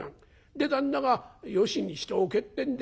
で旦那がよしにしておけってんで